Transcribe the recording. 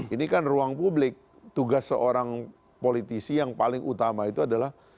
ini kan ruang publik tugas seorang politisi yang paling utama itu adalah